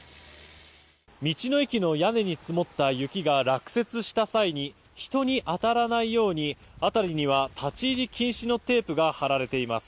道の駅の屋根に積もった雪が落雪した際に人に当たらないように辺りには立ち入り禁止のテープが張られています。